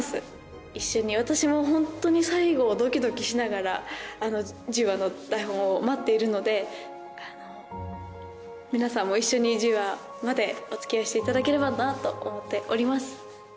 一緒に私もホントに最後ドキドキしながら１０話の台本を待っているので皆さんも一緒に１０話までお付き合いしていただければなと思っております。